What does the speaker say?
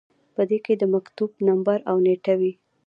په دې کې د مکتوب نمبر او نیټه وي.